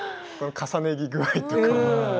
重ね着具合とか。